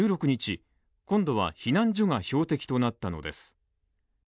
１６日、今度は避難所が標的となったのです。